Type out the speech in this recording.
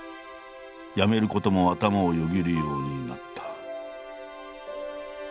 やめることも頭をよぎるようになった。